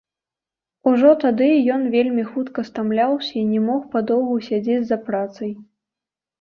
Ужо тады ён вельмі хутка стамляўся і не мог падоўгу сядзець за працай.